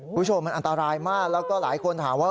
คุณผู้ชมมันอันตรายมากแล้วก็หลายคนถามว่า